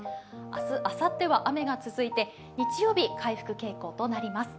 明日、あさっては雨が続いて日曜日、回復傾向となります。